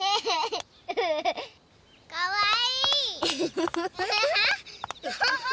かわいい！